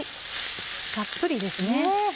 たっぷりですね。